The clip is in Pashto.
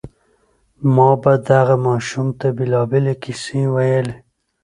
ما به دغه ماشوم ته بېلابېلې کيسې ويلې.